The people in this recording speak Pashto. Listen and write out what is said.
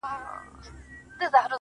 نسه ـ نسه جام د سوما لیري کړي~